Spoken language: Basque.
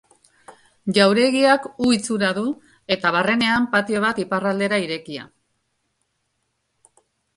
Jauregiak U itxura du eta barrenean patio bat iparraldera irekia.